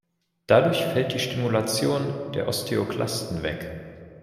Dadurch fällt die Stimulation der Osteoklasten weg.